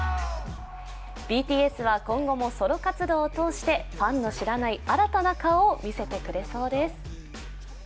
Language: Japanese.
ＢＴＳは今後もソロ活動を通してファンの知らない新たな顔を見せてくれそうです。